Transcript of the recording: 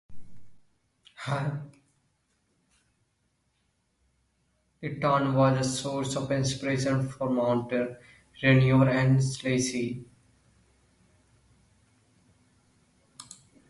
The town was a source of inspiration for Monet, Renoir and Sisley.